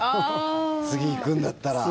次、行くんだったら。